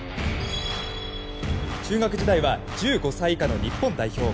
中学時代は１５歳以下の日本代表。